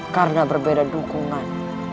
karena berbeda dukungan